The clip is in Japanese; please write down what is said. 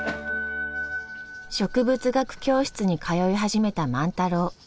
植物学教室に通い始めた万太郎。